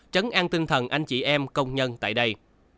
trấn an tinh thần anh chị em công nhân tại đây